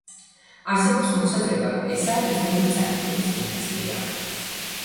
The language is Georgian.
არსებობს მოსაზრება, რომ ესაა ბერძნული წარმოშობის დინასტია.